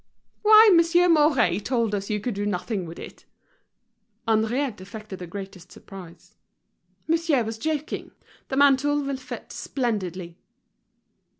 "Why, Monsieur Mouret told us you could do nothing with it." Henriette affected the greatest surprise. "Monsieur was joking. The mantle will fit splendidly."